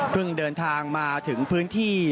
เดินทางมาถึงพื้นที่